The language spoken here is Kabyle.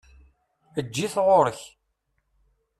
Eǧǧ-it ɣuṛ-k!